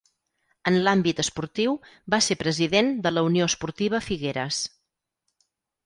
En l'àmbit esportiu, va ser president de la Unió Esportiva Figueres.